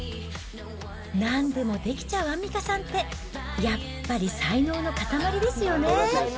なんでもできちゃうアンミカさんって、やっぱり才能の塊ですよね。